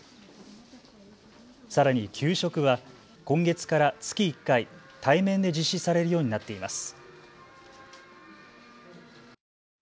さらに給食は今月から月１回、対面で実施されるようになっています。